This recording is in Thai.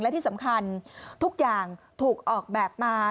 และที่สำคัญทุกอย่างถูกออกแบบมา